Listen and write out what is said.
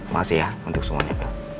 makasih ya untuk semuanya pak